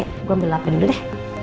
ini gue ambil lapen dulu deh